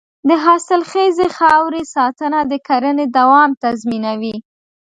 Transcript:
د حاصلخیزې خاورې ساتنه د کرنې دوام تضمینوي.